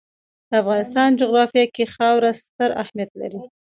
د افغانستان جغرافیه کې خاوره ستر اهمیت لري.